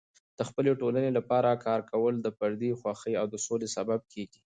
د خپلې ټولنې لپاره کار کول د فردي خوښۍ او د سولې سبب کیږي.